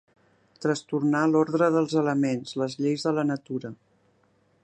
Trastornar l'ordre dels elements, les lleis de la natura.